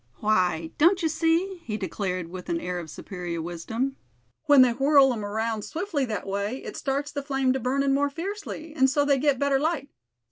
"Why, don't you see," he declared with an air of superior wisdom, "when they whirl 'em around swiftly that way, it starts the flame to burning more fiercely, and so they get better light.